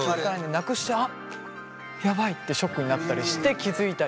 なくしてあっやばいってショックになったりして気付いたりとか。